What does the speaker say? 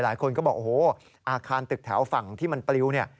หลายคนก็บอกโอ้โหอาคารตึกแถวฝั่งที่มันปลิวเนี่ย